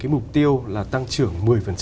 cái mục tiêu là tăng trưởng một mươi